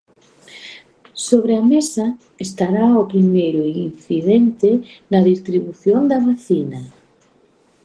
Sobre a mesa estará o primeiro incidente na distribución da vacina.